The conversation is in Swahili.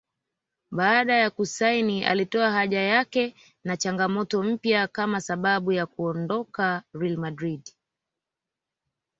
Baada ya kusaini alitoa haja yake na changamoto mpya kama sababu ya kuondoka RealMadrid